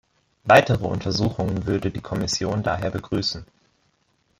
Weitere Untersuchungen würde die Kommission daher begrüßen.